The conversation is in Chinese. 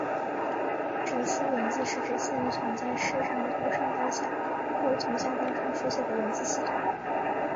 直书文字是指现存在世上从上到下或从下到上书写的文字系统。